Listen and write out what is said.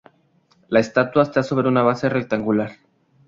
La estatua está sobre una base rectangular.